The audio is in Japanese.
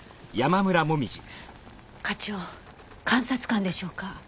課長監察官でしょうか？